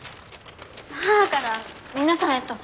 母から皆さんへと！